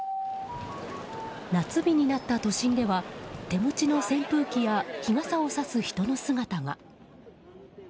夏日になった都心では手持ちの扇風機や日傘をさす人の姿が。